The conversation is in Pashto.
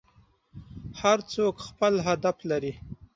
هر څوک خپل هدف لري.